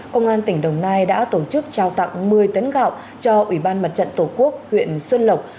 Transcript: công an tỉnh đồng nai đã tổ chức trao tặng một mươi tấn gạo cho ủy ban mặt trận tổ quốc huyện xuân lộc